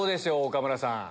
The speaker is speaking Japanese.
岡村さん。